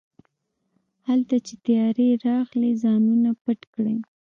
هلته چې طيارې راغلې ځانونه پټ کړئ.